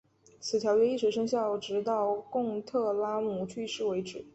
此条约一直生效直到贡特拉姆去世为止。